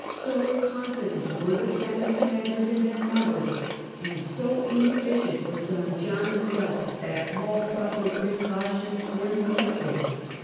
So confident were the Spanish commanders in their numbers, and so inefficient was Don John himself, that all proper precautions were neglected.